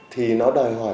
thì nó đòi hỏi